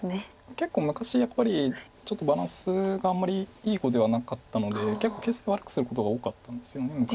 結構昔やっぱりちょっとバランスがあんまりいい碁ではなかったので結構形勢悪くすることが多かったんですよね昔は。